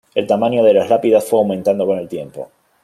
El tamaño de las lápidas fue aumentando con el tiempo.